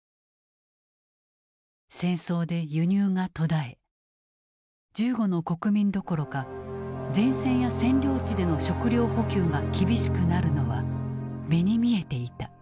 戦争で輸入が途絶え銃後の国民どころか前線や占領地での食糧補給が厳しくなるのは目に見えていた。